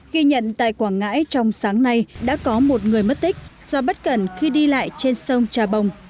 ghi nhận tại quảng ngãi trong sáng nay đã có một người mất tích do bất cẩn khi đi lại trên sông trà bồng